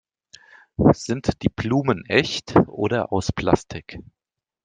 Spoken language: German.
Sind die Blumen echt oder aus Plastik?